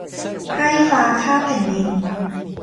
ไพร่ฟ้าข้าแผ่นดิน